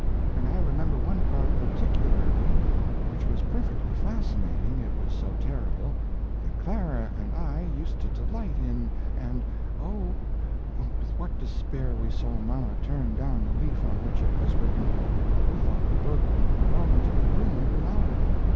And I remember one part pertickularly which was perfectly fascinating it was so terrible, that Clara and I used to delight in and oh, with what despair we saw mama turn down the leaf on which it was written, we thought the book would almost be ruined without it.